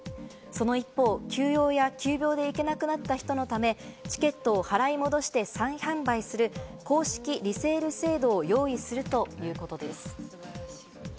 その一方、急用や急病で行けなくなった人のため、チケットを払い戻して再販売する公式リセール制度を用意するということです。